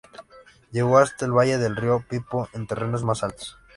Llegó hasta el valle del río Pipo en terrenos más altos.